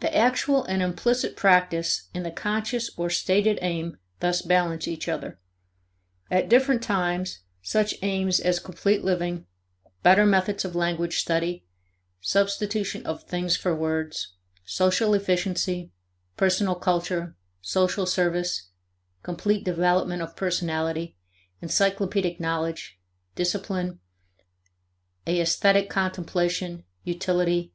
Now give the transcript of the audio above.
The actual and implicit practice and the conscious or stated aim thus balance each other. At different times such aims as complete living, better methods of language study, substitution of things for words, social efficiency, personal culture, social service, complete development of personality, encyclopedic knowledge, discipline, a esthetic contemplation, utility, etc.